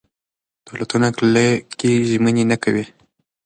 دولتونه کلکې ژمنې نه کوي.